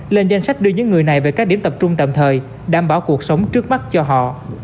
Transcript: lên danh sách đưa những người này về các điểm tập trung tạm thời đảm bảo cuộc sống trước mắt cho họ